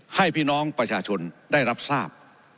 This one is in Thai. ให้พี่น้องประชาชนได้รับทราบ